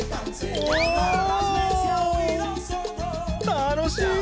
楽しい！